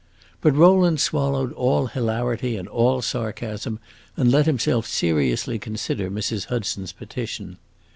But Rowland swallowed all hilarity and all sarcasm, and let himself seriously consider Mrs. Hudson's petition.